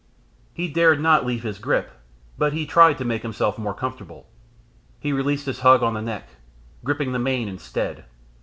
He dared not leave his grip, but he tried to make himself more comfortable. He released his hug on the neck, gripping the mane instead.